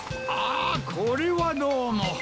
あこれはどうも。